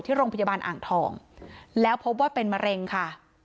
ที่โรงพยาบาลอ่างทองแล้วพบว่าเป็นมะเร็งค่ะ